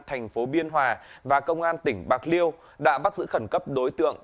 thành phố biên hòa và công an tỉnh bạc liêu đã bắt giữ khẩn cấp đối tượng